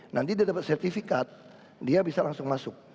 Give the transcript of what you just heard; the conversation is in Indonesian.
nanti dia dapat sertifikat dia bisa langsung masuk